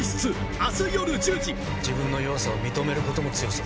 ⁉自分の弱さを認めることも強さだ。